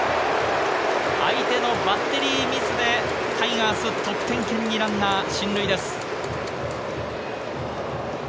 相手のバッテリーミスでタイガース、得点圏にランナー進塁です。